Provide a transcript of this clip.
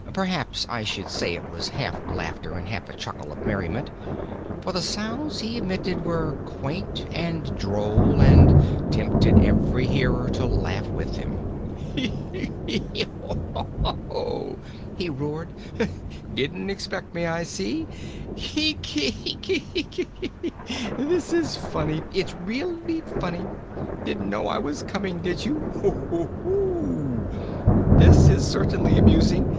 Perhaps I should say it was half laughter and half a chuckle of merriment, for the sounds he emitted were quaint and droll and tempted every hearer to laugh with him. "Heh, heh ho, ho, ho!" he roared. "Didn't expect me, I see. Keek eek eek eek! This is funny it's really funny. Didn't know I was coming, did you? Hoo, hoo, hoo, hoo! This is certainly amusing.